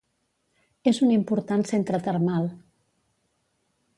És un important centre termal.